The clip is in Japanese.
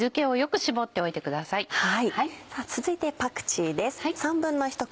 さぁ続いてパクチーです。